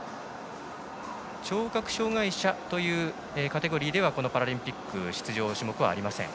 聴覚障がい者というカテゴリーではこのパラリンピックは出場種目はありません。